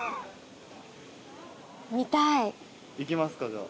行きますかじゃあ。